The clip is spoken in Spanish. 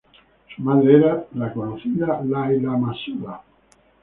Su madre era la conocida Lal-la Masuda.